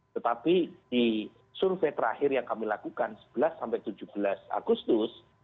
tetapi di survei terakhir yang kami lakukan sebelas tujuh belas agustus